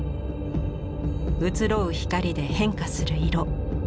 移ろう光で変化する色。